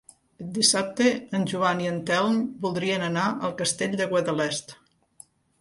Dissabte en Joan i en Telm voldrien anar al Castell de Guadalest.